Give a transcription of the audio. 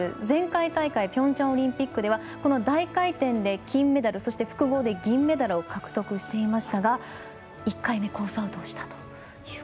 前回大会ピョンチャンオリンピックでは大回転で金メダルそして複合で銀メダルを獲得していましたが１回目にコースアウトしたと。